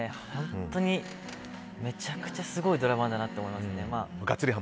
本当に、めちゃくちゃすごいドラマだなって思いますね。